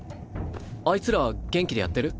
あいつら元気でやってる？